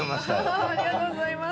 ありがとうございます。